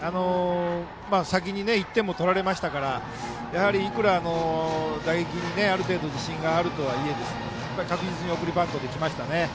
先に１点取られましたからやはりいくら、打撃にある程度自信があるとはいえ確実に送りバントで来ましたね。